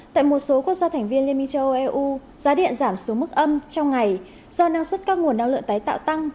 tại một số quốc gia thành viên liên minh châu âu eu giá điện giảm xuống mức âm trong ngày do năng suất các nguồn năng lượng tái tạo tăng